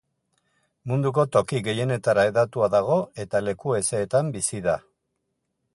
Munduko toki gehienetara hedatua dago eta leku hezeetan bizi da.